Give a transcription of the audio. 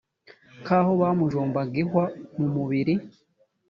nk’ aho bamujombaga ihwa mu mubiri.